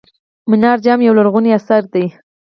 منار جام یو لرغونی اثر دی.